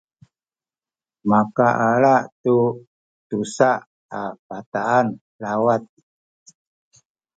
makaala tu tusa a bataan lawat